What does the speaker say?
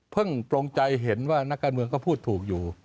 ตรงใจเห็นว่านักการเมืองก็พูดถูกอยู่